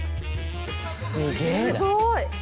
すごい！